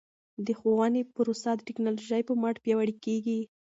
د ښوونې پروسه د ټکنالوژۍ په مټ پیاوړې کیږي.